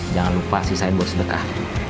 jangan lupa sisain buat sedekah